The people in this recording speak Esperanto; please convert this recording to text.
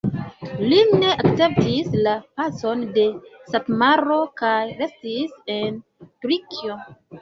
Li ne akceptis la pacon de Satmaro kaj restis en Turkio.